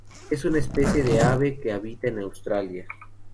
Es una especie de ave que habita en Australia.